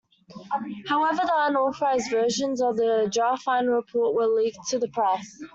However, unauthorized versions of the draft final report were leaked to the press.